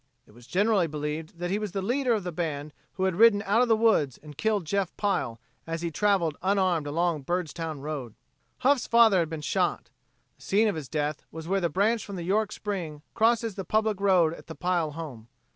It was generally believed that he was the leader of the band who had ridden out of the woods and killed Jeff Pile, as he traveled unarmed along the Byrdstown road. Huff's father had been shot. The scene of his death was where the branch from the York Spring crosses the public road at the Pile home.